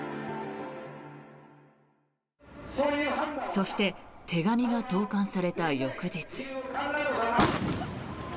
そして手紙が投函された翌日。